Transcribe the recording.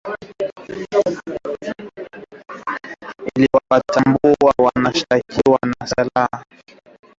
iliwatambua washtakiwa na silaha zilizonaswa ambazo ni bunduki aina ya na mamia ya risasi